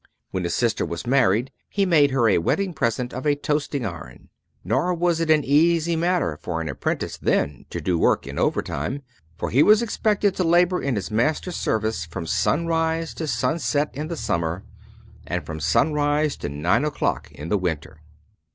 When his sister was married he made her a wedding present of a toasting iron. Nor was it an easy matter for an apprentice then to do work in over time, for he was expected to labor in his master's service from sunrise to sunset in the summer, and from sunrise to nine o'clock in the winter.